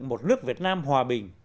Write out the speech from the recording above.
một nước việt nam hòa bình